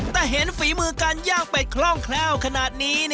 แต่เห็นฝีมือการย่างเป็ดคล่องแคล่วขนาดนี้